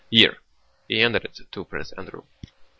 "Here!" and he handed it to Prince Andrew.